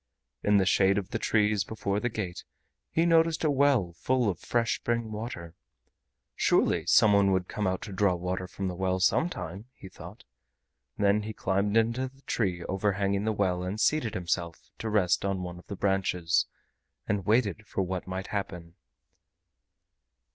In the shade of the trees before the gate he noticed a well full of fresh spring water. Surely some one would come out to draw water from the well some time, he thought. Then he climbed into the tree overhanging the well, and seated himself to rest on one of the branches, and waited for what might happen.